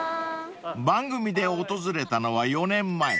［番組で訪れたのは４年前］